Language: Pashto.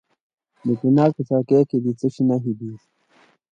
د کونړ په څوکۍ کې د څه شي نښې دي؟